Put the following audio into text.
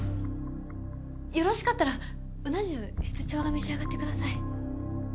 よろしかったらうな重室長が召し上がってください。